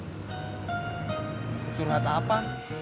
tadi saya mau curhat apa